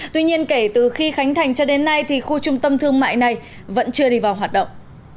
tuy nhiên kể từ khi khánh thành cho đến nay thì khu trung tâm thương mại này vẫn chưa đi vào hoạt động